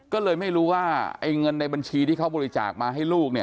ก็เลยไม่รู้ว่าไอ้เงินในบัญชีที่เขาบริจาคมาให้ลูกเนี่ย